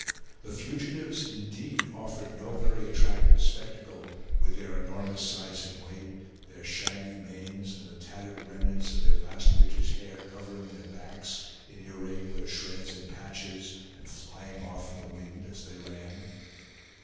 The fugitives, indeed, offered no very attractive spectacle, with their enormous size and weight, their shaggy manes and the tattered remnants of their last winter's hair covering their backs in irregular shreds and patches, and flying off in the wind as they ran.